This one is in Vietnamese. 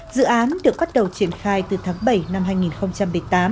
dự án được bắt đầu triển khai từ tháng bảy năm hai nghìn một mươi tám